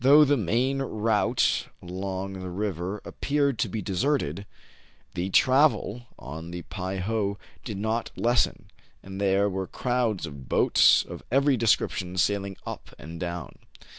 Though the main route along the river ap peared to be deserted, the travel on the Pei ho did not lessen, and there were crowds of boats of every description sailing up and down.